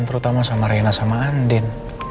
terutama sama reina sama andin